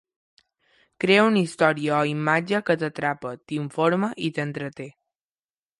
Crea una història o imatge que t'atrapa, t'informa i t'entreté.